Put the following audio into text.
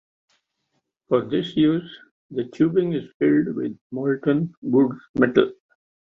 For this use the tubing is filled with molten Wood's metal.